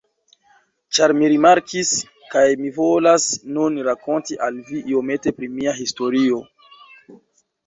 Ĉar mi rimarkis, kaj mi volas nun rakonti al vi iomete pri mia historio.